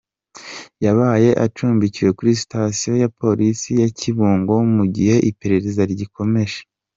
Yabaye acumbikiwe kuri Sitasiyo ya Polisi ya Kibungo mu gihe iperereza rigikomeza.